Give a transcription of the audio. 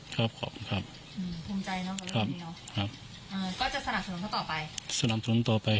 ครับขอบคุณครับภูมิใจเนอะครับ